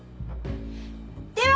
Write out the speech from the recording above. では！